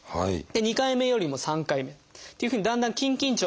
２回目よりも３回目っていうふうにだんだん筋緊張